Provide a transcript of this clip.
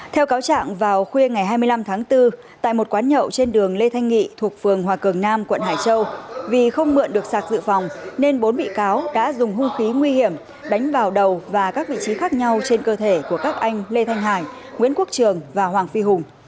theo cáo trạng vào khuya ngày hai mươi năm tháng bốn tại một quán nhậu trên đường lê thanh nghị thuộc phường hòa cường nam quận hải châu vì không mượn được sạc dự phòng nên bốn bị cáo đã dùng hung khí nguy hiểm đánh vào đầu và các vị trí khác nhau trên cơ thể của các anh lê thanh hải nguyễn quốc trường và hoàng phi hùng